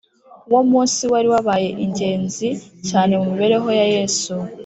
wo munsi wari wabaye ingenzi cyane mu mibereho ya yesu